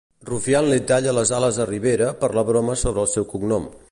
Rufián li talla les ales a Rivera per la broma sobre el seu cognom.